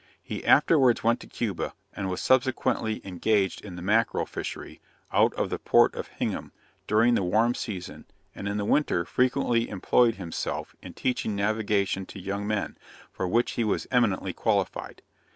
He afterwards went to Cuba, and was subsequently engaged in the mackerel fishery, out of the port of Hingham, during the warm season, and in the winter frequently employed himself in teaching navigation to young men, for which he was eminently qualified.